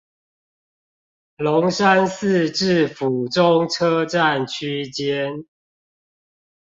龍山寺至府中車站區間